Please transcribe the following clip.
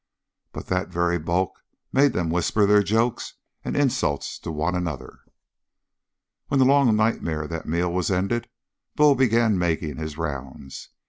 But that very bulk made them whisper their jokes and insults to one another. When the long nightmare of that meal was ended, Bull began making his rounds.